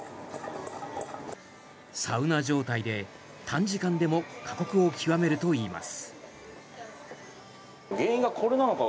サウナ状態で、短時間でも過酷を極めるといいます。